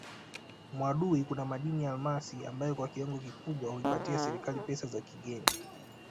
Mwadui kuna madini ya almasi ambayo kwa kiwango kikubwa huipatia serikali pesa za kigeni